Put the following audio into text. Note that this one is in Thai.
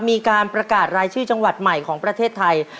มีการประกาศรายชื่อจังหวัดใหม่ของประเทศไทย